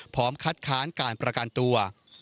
พร้อมคัดค้านการประกันตัว